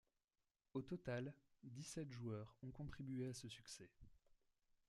Au total, dix-sept joueurs ont contribué à ce succès.